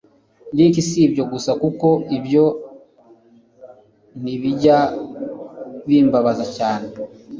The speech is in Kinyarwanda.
Rick si ibyo gusa kuko ibyo ntibijya bimbabaza cyane